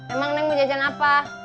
emang ini mau jajan apa